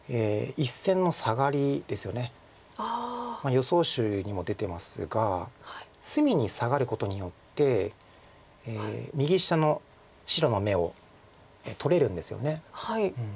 予想手にも出てますが隅にサガることによって右下の白の眼を取れるんですよね。